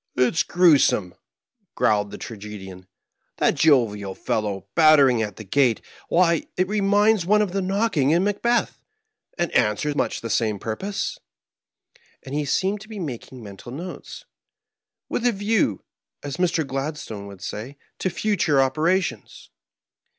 " It^s gruesome,'^ growled the Tragedian ; "that jovial fellow battering at the gate ; why, it reminds one of the knocking in ' Macbeth,' and answers much the same purpose ''; and he seemed to be making mental notes, "with a view," as Mr. Gladstone would say, "to future operations."